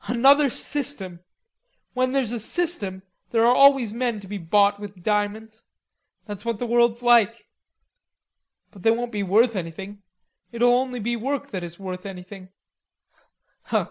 Another system! When there's a system there are always men to be bought with diamonds. That's what the world's like." "But they won't be worth anything. It'll only be work that is worth anything."